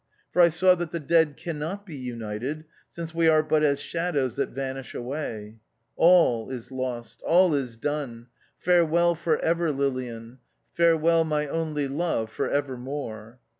For I saw that the dead cannot be united, since we are but as shadows that vanish away. All is lost, all is done ; farewell for ever, Lilian : farewell my only love for ever more.